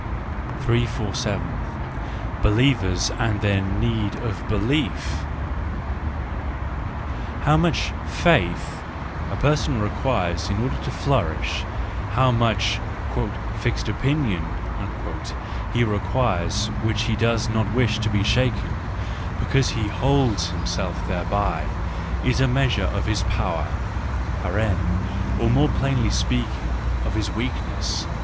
347. Believers and their Need of Belief —How much faith a person requires in order to flourish, how much " fixed opinion " he requires which he does not wish to have shaken, because he holds himself thereby—is a measure of his power (or more plainly speaking, of his weakness).